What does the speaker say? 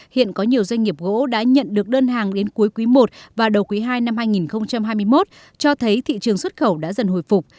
hiện có nhiều doanh nghiệp gỗ đã nhận được đơn hàng đến cuối quý i và đầu quý ii năm hai nghìn hai mươi một cho thấy thị trường xuất khẩu đã dần hồi phục